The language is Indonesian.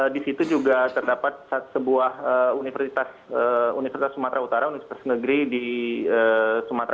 di situ juga terdapat sebuah universitas sumatra utara universitas negeri di sumatra utara